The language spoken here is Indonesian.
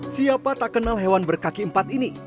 siapa tak kenal hewan berkaki empat ini